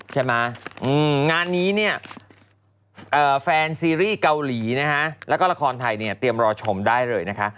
ใช่ไหมงานนี้เนี่ยแฟนซีรีส์เกาหลีนะคะแล้วก็ละครไทยเนี่ยเตรียมรอชมได้เลยนะคะ